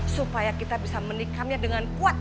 supaya kita bisa menikamnya dengan kuat